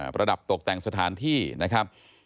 ระดับตกแต่งสถานที่นะครับ